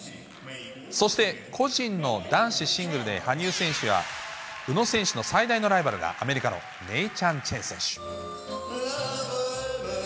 そして個人の男子シングルで羽生選手や宇野選手の最大のライバルが、アメリカのネイサン・チェン選手。